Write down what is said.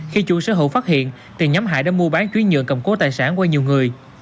khi chủ sơ hở phát hiện thì nhóm hải đã mua bán chuyến nhượng cầm cố tài sản qua nhiều người